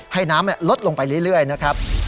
ให้น้ำลดลงไปเรื่อยนะครับ